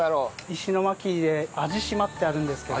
石巻で網地島ってあるんですけど。